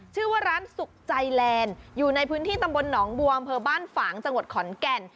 ชื่อว่าร้านสุขใจแลนด์อยู่ในพื้นที่ตำบลหนองบัวอำเภอบ้านฝางจังหวัดขอนแก่น